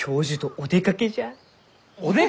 お出かけ！？